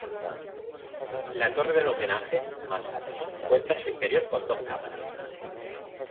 La torre del homenaje, más ancha, cuenta en su interior con dos cámaras.